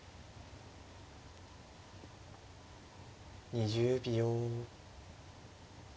２０秒。